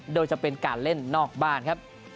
โดยจะเป็นการเล่นนอกบ้านครับ